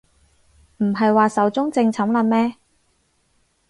唔係話壽終正寢喇咩